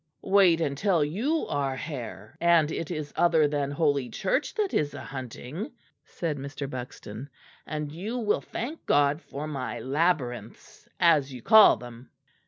"Wait until you are hare, and it is other than Holy Church that is a hunting," said Mr. Buxton, "and you will thank God for my labyrinths, as you call them."